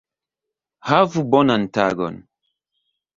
Havu bonan tagon!